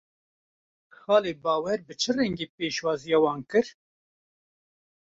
Xalê Bawer bi çi rengî pêşwaziya wan kir?